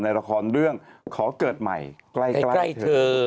ในละครเรื่องขอเกิดใหม่ใกล้เธอ